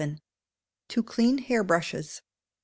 To Clean Hair Brushes.